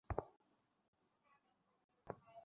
গিরি, মাথা ঠান্ডা করো।